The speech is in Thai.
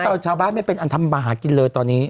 ชาวบ้านไม่เป็นอันทำมาหากินเลยตอนนี้